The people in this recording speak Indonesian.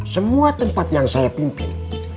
semua tempat yang saya pimpin